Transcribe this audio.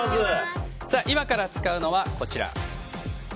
今から使うのはこちら。